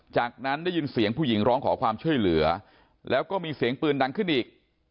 จากนั้นได้ยินเสียงผู้หญิงร้องขอความช่วยเหลือแล้วก็มีเสียงปืนดังขึ้นอีก